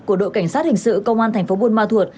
của đội cảnh sát hình sự công an tp buôn ma thuột